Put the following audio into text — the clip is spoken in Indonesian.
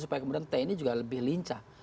supaya kemudian tni juga lebih lincah